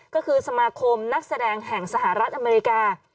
ก็คือสมาคมนักแสดงแห่งสหรัฐอเมริกา